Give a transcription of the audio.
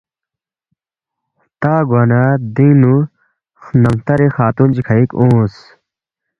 ہلتا گوا نہ دینگ نُو خنم ہلتری خاتُون چی کھئِک اونگس